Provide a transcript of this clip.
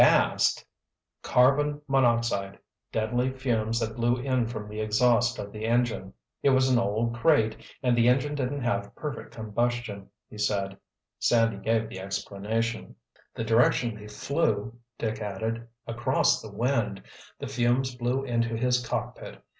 "Gassed?" "Carbon monoxide—deadly fumes that blew in from the exhaust of the engine—it was an old crate, and the engine didn't have perfect combustion, he said," Sandy gave the explanation. "The direction they flew," Dick added, "across the wind—the fumes blew into his cockpit.